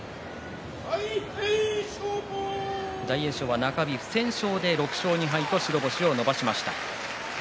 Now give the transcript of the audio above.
大栄翔は中日不戦勝で６勝２敗と白星を伸ばしました。